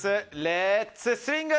レッツ・スイング！